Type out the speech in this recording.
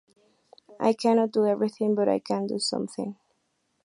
I cannot do everything, but I can do something.